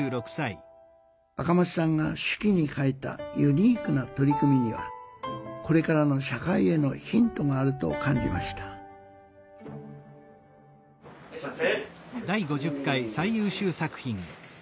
赤松さんが手記に書いたユニークな取り組みにはこれからの社会へのヒントがあると感じましたいらっしゃいませ。